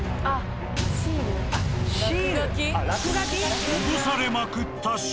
シール？あっ落書き？